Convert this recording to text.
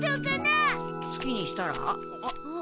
好きにしたら？あっ。